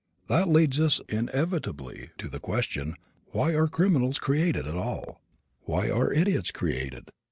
That leads us inevitably to the question, Why are criminals created at all? Why are idiots created?